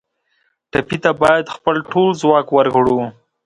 ټپي ته باید خپل ټول ځواک ورکړو.